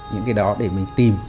những cái đó để mình tìm